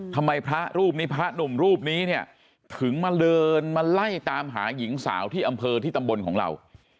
พระรูปนี้พระหนุ่มรูปนี้เนี่ยถึงมาเดินมาไล่ตามหาหญิงสาวที่อำเภอที่ตำบลของเรา